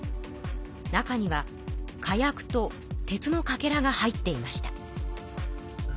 中には火薬と鉄のかけらが入っていました。